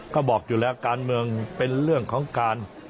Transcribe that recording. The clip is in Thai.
ก็บอกอยู่แล้วการเมืองเป็นเรื่องของการ